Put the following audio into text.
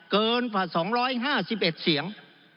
เกิน๒๕๑เสียง